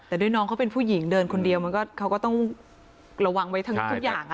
แต่ด้วยน้องเขาเป็นผู้หญิงเดินคนเดียวมันก็เขาก็ต้องระวังไว้ทั้งทุกอย่าง